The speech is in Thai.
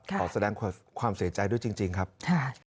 ขอแสดงความเสียใจด้วยจริงครับค่ะ